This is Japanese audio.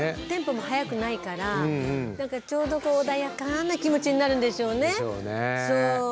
テンポも速くないからなんかちょうど穏やかな気持ちになるんでしょうね。